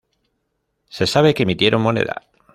Se sabe que emitieron moneda.